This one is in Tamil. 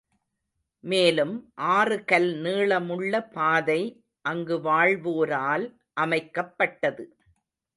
மேலும் ஆறு கல் நீளமுள்ள பாதை அங்கு வாழ்வோரால் அமைக்கப்பட்டது.